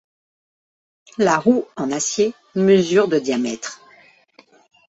La roue, en acier, mesure de diamètre.